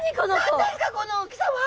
何ですかこの大きさは！